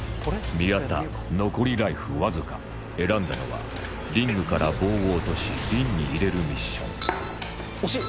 宮田残りライフわずか選んだのはリングから棒を落とし瓶に入れるミッション惜しい。